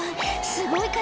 すごい体